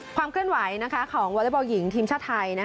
ความเคลื่อนไหวของวอเล็กบอลหญิงทีมชาติไทย